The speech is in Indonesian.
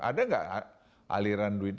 ada tidak aliran duit